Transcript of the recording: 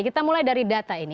kita mulai dari data ini